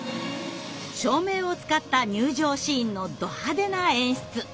照明を使った入場シーンのど派手な演出。